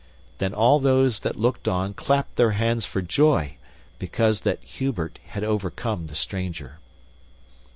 Then all those that looked on clapped their hands for joy because that Hubert had overcome the stranger.